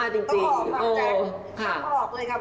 ต้องออกเลยครับเพราะว่าเราเคยเล่นคอนเสิรทเนาะ